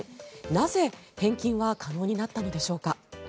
なぜ、返金は可能になったのでしょうか。